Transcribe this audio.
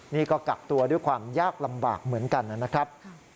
นี่ก็กักตัวด้วยความยากลำบากเหมือนกันนะครับ